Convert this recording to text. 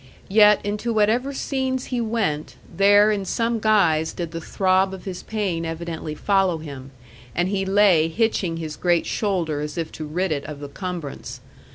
Yet, into whatever scenes he went, there in some guise did the throb of his pain evidently follow him, and he lay hitching his great shoulder as if to rid it of the cumbrance.